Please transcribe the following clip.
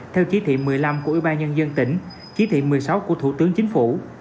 theo chỉ thị một mươi năm của ủy ban nhân dân tỉnh chỉ thị một mươi sáu của thủ tướng chính phủ